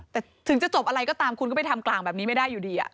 แต่ถึงจะจบอะไรก็ตามคุณก็ไปทำกลางแบบนี้ไม่ได้อยู่ดี